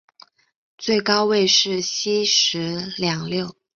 最高位是西十两六。